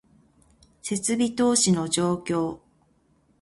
設備投資の状況